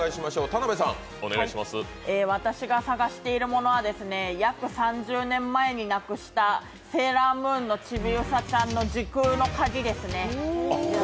私が探しているものは約３０年前になくした「セーラームーン」のちびうさちゃんの時空の鍵ですね。